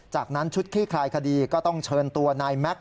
จากนั้นชุดคลี่คลายคดีก็ต้องเชิญตัวนายแม็กซ